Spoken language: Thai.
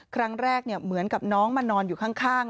ครั้งแรกเหมือนกับน้องมานอนอยู่ข้าง